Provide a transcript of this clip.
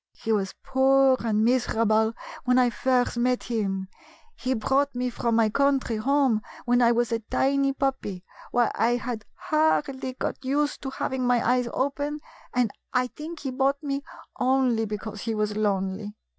He was poor and miserable when I first met him. He brought me from my country home when I was a tiny puppy ; why, I had hardly got used to having my eyes open, and I think he bought me only because he was lonely.